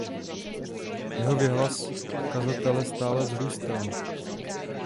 Jeho věhlas kazatele stále vzrůstal.